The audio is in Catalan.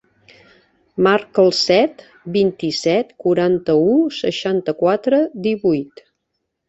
Marca el set, vint-i-set, quaranta-u, seixanta-quatre, divuit.